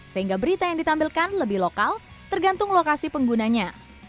sehingga berita yang ditampilkan lebih lokal tergantung lokasi penggunanya